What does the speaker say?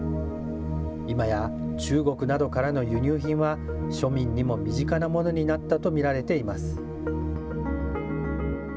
今や中国などからの輸入品は庶民にも身近なものになったと見られています。